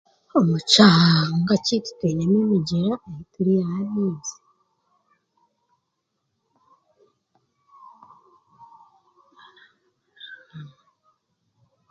Omu kyanga kyaitu twinemu emigyera ei turiihamu amaizi